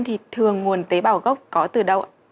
thì thường nguồn tế bào gốc có từ đâu ạ